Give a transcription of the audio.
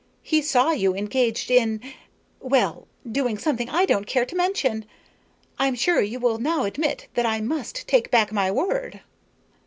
He saw you engaged in well, doing something I don't care to mention. I'm sure you will now admit that I must take back my word."